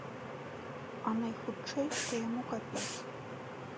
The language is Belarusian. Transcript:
А найхутчэй што яму капец.